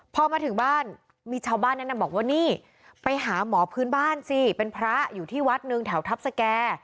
พอมาถึงบ้านมีชาวบ้านแนะนำบอกว่านี่ไปหาหมอพื้นบ้านสิเป็นพระอยู่ที่วัดหนึ่งแถวทัพสแก่